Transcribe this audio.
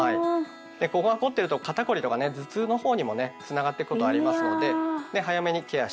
ここが凝ってると肩凝りとかね頭痛の方にもねつながっていくことありますので早めにケアしていきたいですよね。